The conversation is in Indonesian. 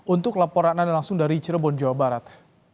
untuk laporan anda langsung dari cirebon jawa barat